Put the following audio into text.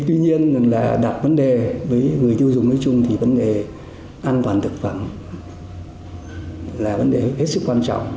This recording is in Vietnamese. tuy nhiên là đặt vấn đề với người tiêu dùng nói chung thì vấn đề an toàn thực phẩm là vấn đề hết sức quan trọng